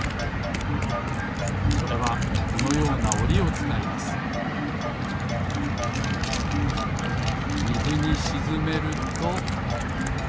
それはこのようなおりをつかいますみずにしずめると。